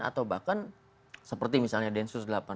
atau bahkan seperti misalnya densus delapan puluh delapan